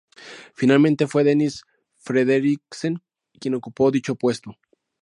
Finalmente fue Dennis Frederiksen quien ocupó dicho puesto.